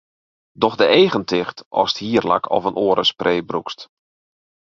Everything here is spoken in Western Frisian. Doch de eagen ticht ast hierlak of in oare spray brûkst.